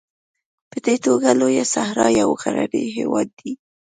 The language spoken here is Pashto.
په دې توګه لویه صحرا یو غرنی هېواد دی.